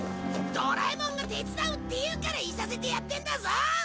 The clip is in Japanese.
ドラえもんが手伝うって言うからいさせてやってるんだぞ！